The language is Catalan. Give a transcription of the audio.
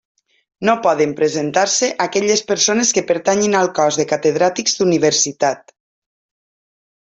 No poden presentar-se aquelles persones que pertanyin al cos de Catedràtics d'Universitat.